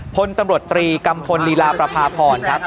พลตำรวจตรีกัมพลลีลาประพาพรครับ